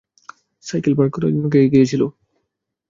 Cycle park করার জন্য কে গিয়েছিল?